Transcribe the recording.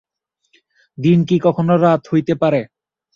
দিন কি কখনো রাত হইতে পারে।